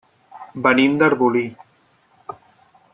Venim d'Arbolí.